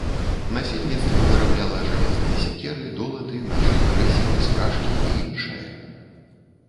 Насельніцтва вырабляла жалезныя сякеры, долаты, нажы, крэсівы, спражкі і іншае.